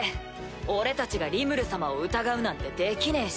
俺たちがリムル様を疑うなんてできねえし。